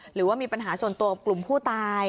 หรือว่ามีปัญหาส่วนตัวกับกลุ่มผู้ตาย